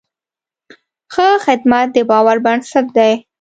ښه خدمت د باور بنسټ دی.